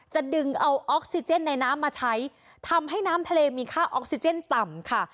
จะดึงเอาออกซิเจนในน้ำมาใช้ทำให้น้ำทะเลมีค่าออกซิเจนต่ำค่ะ